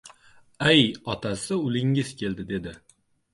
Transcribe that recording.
— Ay, otasi, ulingiz keldi, — dedi.